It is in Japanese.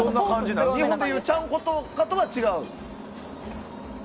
日本でいうちゃんことかとは違う？